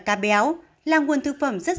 cá béo là nguồn thực phẩm rất